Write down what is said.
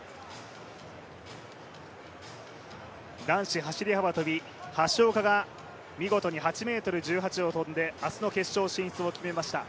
男子走幅跳橋岡が見事に８ｍ１８を跳んで、明日の決勝進出を決めました。